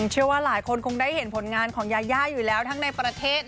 เชื่อว่าหลายคนคงได้เห็นผลงานของยาย่าอยู่แล้วทั้งในประเทศ